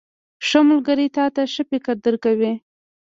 • ښه ملګری تا ته ښه فکر درکوي.